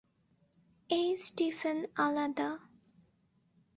এই স্টিফেন আলাদা।